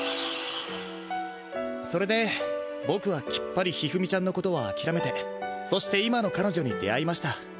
それでボクはきっぱり一二三ちゃんのことはあきらめてそして今のかのじょに出会いました。